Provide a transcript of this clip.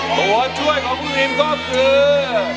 ตัวช่วยของคุณพิมก็คือ